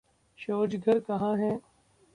शौचघर कहां है